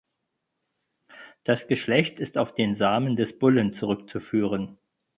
Das Geschlecht ist auf den Samen des Bullen zurückzuführen.